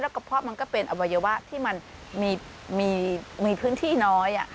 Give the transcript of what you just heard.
แล้วก็เพราะมันก็เป็นอวัยวะที่มันมีพื้นที่น้อย